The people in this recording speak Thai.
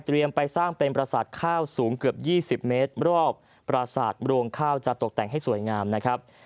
ไปสร้างเป็นประสาทข้าวสูงเกือบ๒๐เมตรรอบประสาทรวงข้าวจะตกแต่งให้สวยงามนะครับ